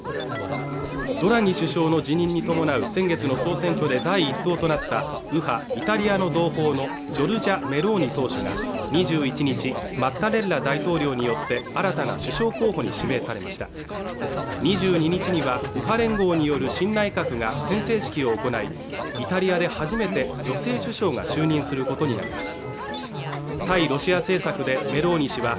ドラギ首相の辞任に伴う先月の総選挙で第１党となった右派イタリアの同胞のジョルジャ・メローニ党首が２１日マッタレッラ大統領によって新たな首相候補に指名されました２２日には右派連合による新内閣が宣誓式を行いイタリアで初めて女性首相が就任することになります